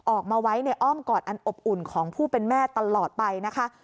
ออกมาไว้ในอ้อมกอดอันอบอุ่นของผู้เป็นแม่ตลอดไปนะคะ